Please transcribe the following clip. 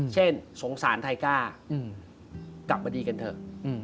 สงสารไทก้ากลับมาดีกันเถอะ